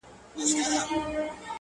دغه رنگينه او حسينه سپوږمۍ،